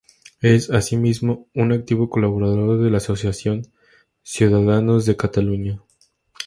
Es, asimismo, un activo colaborador de la asociación Ciudadanos de Cataluña.